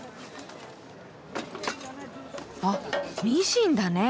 あっミシンだね。